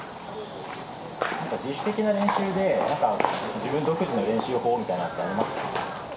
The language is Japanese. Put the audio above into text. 自主的な練習で、自分独自の練習法とかってありますか。